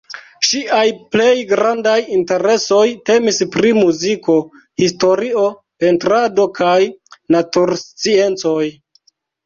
Ŝiaj plej grandaj interesoj temis pri muziko, historio, pentrado kaj natursciencoj.